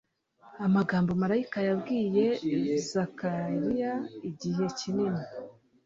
Amagambo malayika yabwiye Zakanya igihe kinini